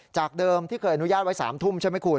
จากเดิมที่เคยอนุญาตไว้๓ทุ่มใช่ไหมคุณ